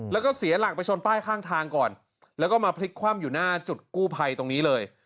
แล้วก็เสียหลักไปชนป้ายข้างทางก่อนแล้วก็มาพลิกคว่ำอยู่หน้าจุดกู้ภัยตรงนี้เลย